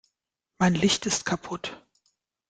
Mein Licht ist kaputt.